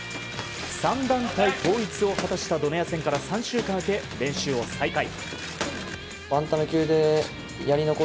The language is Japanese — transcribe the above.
３団体統一を果たしたドネア戦から３週間明け、練習を再開。